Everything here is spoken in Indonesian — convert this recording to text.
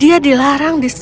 dia dilarang disini